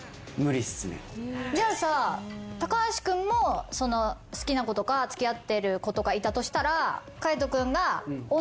じゃあさ橋君も好きな子とか付き合ってる子とかいたとしたら。